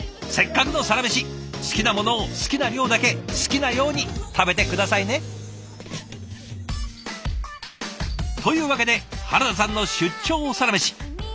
せっかくのサラメシ好きなものを好きな量だけ好きなように食べて下さいね！というわけで原田さんの出張サラメシ。